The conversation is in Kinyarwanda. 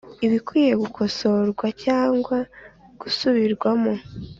ibikwiye gukosorwa cyangwa gusubirwamo